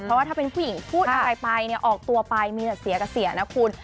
เพราะว่าถ้าเป็นผู้หญิงพูดอะไรไปเนี่ยออกตัวไปมีแต่เสียกับเสียนะคุณ